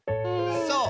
そう。